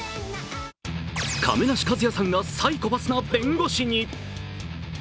亀梨和也さんがサイコパスな弁護士に。